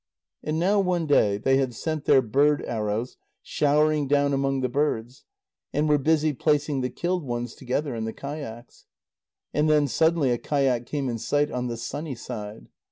And now one day they had sent their bird arrows showering down among the birds, and were busy placing the killed ones together in the kayaks. And then suddenly a kayak came in sight on the sunny side.